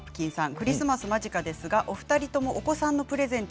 クリスマス間近ですがお二人ともお子さんのプレゼント